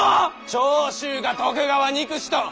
長州が徳川憎しと戦を。